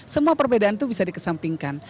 semua perbedaan itu bisa dikesampingkan